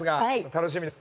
楽しみです。